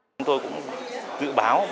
chúng tôi cũng dự báo